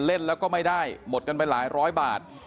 เล่นแล้วก็ไม่ได้หมดกันไปหลายร้อยบาท